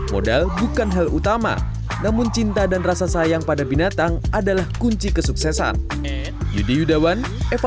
modal bukan hal utama namun cinta dan rasa sayang pada binatang adalah kunci kesuksesan